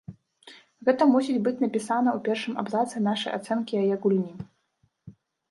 Гэта мусіць быць напісана ў першым абзацы нашай ацэнкі яе гульні.